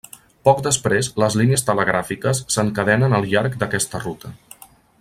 Poc després les línies telegràfiques s'encadenen al llarg d'aquesta ruta.